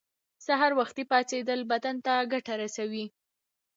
سهار وختی پاڅیدل بدن ته ګټه رسوی